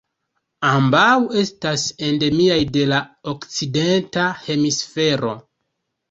Ambaŭ estas endemiaj de la Okcidenta Hemisfero.